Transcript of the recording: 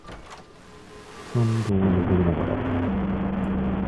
山路を登りながら